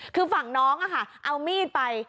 คือฝั่งน้องเอามีดไป